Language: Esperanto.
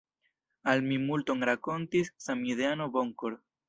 Al mi multon rakontis samideano Bonkor.